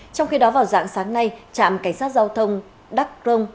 trong khi đó vào dạng sáng nay trạm cảnh sát giao thông đắk cron